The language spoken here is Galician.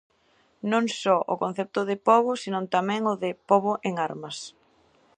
Non só o concepto de pobo, senón tamén o de "pobo en armas".